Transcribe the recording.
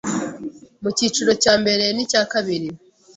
mu cyiciro cya mbere n'icya kabiri